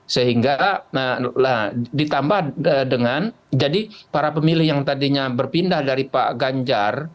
sehingga ditambah dengan jadi para pemilih yang tadinya berpindah dari pak ganjar